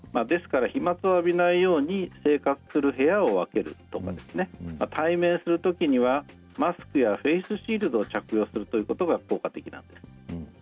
ですから飛まつを浴びないように生活する部屋を分けるとか対面するときにはマスクやフェースシールドを着用するということが効果的なんです。